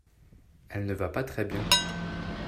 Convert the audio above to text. Elle ne va pas très bien.